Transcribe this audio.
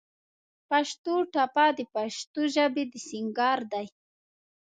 پښتو ټپه د پښتو ژبې د سينګار دى.